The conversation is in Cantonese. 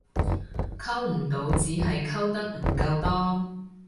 溝唔到只係溝得唔夠多